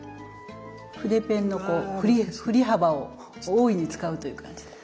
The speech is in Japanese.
筆ペンの振り幅を大いに使うという感じで。